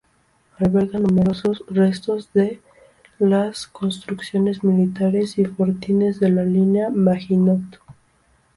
Alberga numerosos restos de las construcciones militares y fortines de la Línea Maginot.